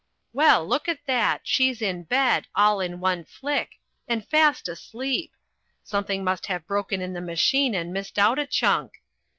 Well, look at that! She's in bed, all in one flick, and fast asleep! Something must have broken in the machine and missed out a chunk.